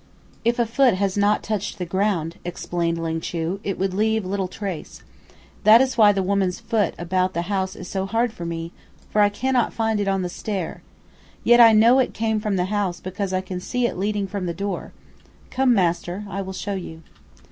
"If a foot has not touched the ground," explained Ling Chu, "it would leave little trace. That is why the woman's foot about the house is so hard for me, for I cannot find it on the stair. Yet I know it came from the house because I can see it leading from the door. Come, master, I will show you."